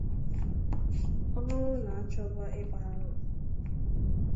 Ọ bụrụ na a chọba ịkpụ arụ